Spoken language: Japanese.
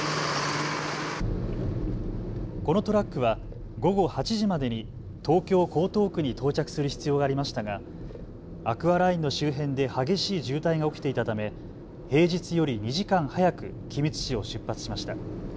このトラックは午後８時までに東京江東区に到着する必要がありましたがアクアラインの周辺で激しい渋滞が起きていたため平日より２時間早く君津市を出発しました。